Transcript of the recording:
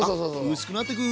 薄くなってく。